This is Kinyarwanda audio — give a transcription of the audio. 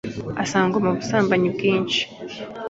ansanga mu busambanyi bwinshi,